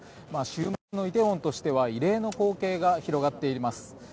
週末の梨泰院としては異例の光景が広がっています。